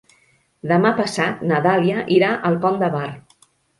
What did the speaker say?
Demà passat na Dàlia irà al Pont de Bar.